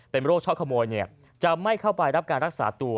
เป็นโรคช่อขโมยจะไม่เข้าไปรับการรักษาตัว